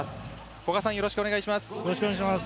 古賀さんよろしくお願いします